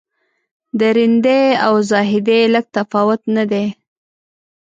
د رندۍ او زاهدۍ لږ تفاوت نه دی.